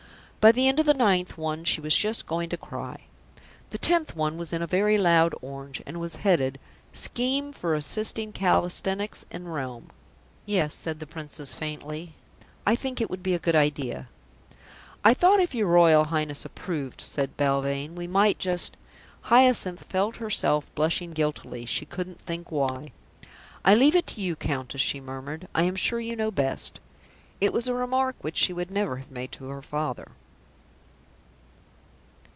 By the end of the ninth one she was just going to cry. The tenth one was in a very loud orange and was headed: SCHEME FOR ASSISTING CALISTHENICS IN REALM "Yes," said the Princess faintly; "I think it would be a good idea." "I thought if your Royal Highness approved," said Belvane, "we might just " Hyacinth felt herself blushing guiltily she couldn't think why. "I leave it to you, Countess," she murmured. "I am sure you know best." It was a remark which she would never have made to her Father.